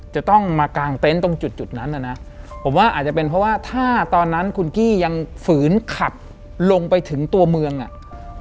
จะต้องมากางเต็นต์ตรงจุดนั้นน่ะนะผมว่าอาจจะเป็นเพราะว่าถ้าตอนนั้นคุณกี้ยังฝืนขับลงไปถึงตัวเมืองอ่ะ